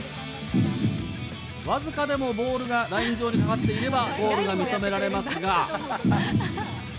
僅かでもボールがライン上にかかっていればゴールが認められますが。